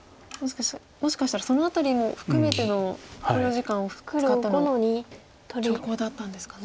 もしかしたらその辺りも含めての考慮時間を使っての長考だったんですかね。